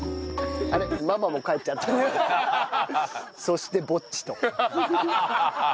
そしてぼっちと。